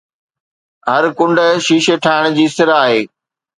هر ڪنڊ شيشي ٺاهيندڙ جي سر آهي